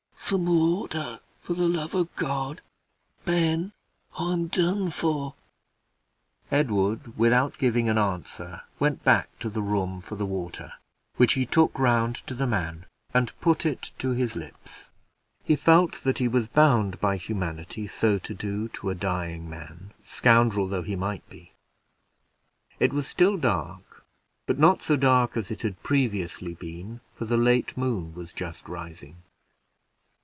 some water, for the love of God! Ben, I'm done for!" Edward, without giving an answer, went back to the room for the water, which he took round to the man, and put it to his lips; he felt that he was bound by humanity so to do to a dying man, scoundrel though he might be. It was still dark, but not so dark as it had previously been, for the late moon was just rising.